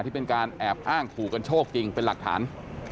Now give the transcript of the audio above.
ที่เป็นการแอบอ้างขู่กันโชคจริงเป็นหลักฐาน